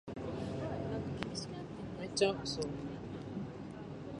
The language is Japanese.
蟲の呼吸蝶ノ舞戯れ（ちょうのまいたわむれ）